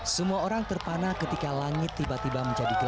semua orang terpanah ketika langit tiba tiba menjadi gempa